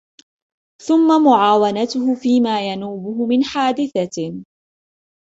ثُمَّ مُعَاوَنَتُهُ فِيمَا يَنُوبُهُ مِنْ حَادِثَةٍ